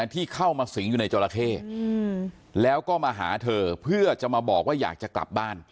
ที่เข้ามาสิงอยู่ในจราเข้แล้วก็มาหาเธอเพื่อจะมาบอกว่าอยากจะกลับบ้าน